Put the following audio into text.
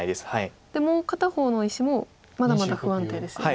でもう片方の大石もまだまだ不安定ですよね。